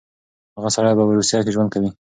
هغه سړی به په روسيه کې ژوند کوي.